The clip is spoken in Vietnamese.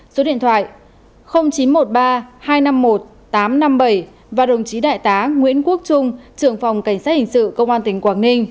số điện thoại chín trăm một mươi ba hai trăm năm mươi một tám trăm năm mươi bảy và đồng chí đại tá nguyễn quốc trung trưởng phòng cảnh sát hình sự công an tỉnh quảng ninh